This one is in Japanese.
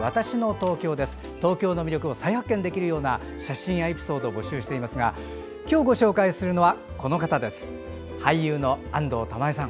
東京の魅力を再発見できるような写真やエピソードを募集していますが今日ご紹介するのは俳優の安藤玉恵さん。